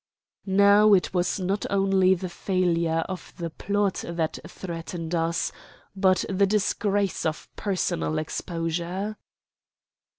Now it was not only the failure of the plot that threatened us, but the disgrace of personal exposure.